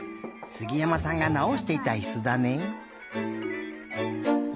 杉山さんがなおしていたいすだね。